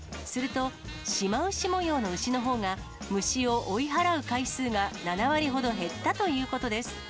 すると、シマウシ模様の牛のほうが、虫を追い払う回数が７割ほど減ったということです。